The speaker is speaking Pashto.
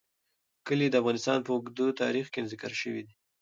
کلي د افغانستان په اوږده تاریخ کې ذکر شوی دی.